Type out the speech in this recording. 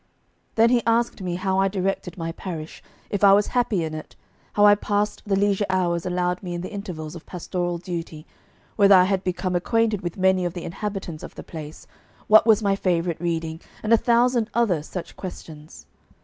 Then he asked me how I directed my parish, if I was happy in it, how I passed the leisure hours allowed me in the intervals of pastoral duty, whether I had become acquainted with many of the inhabitants of the place, what was my favourite reading, and a thousand other such questions.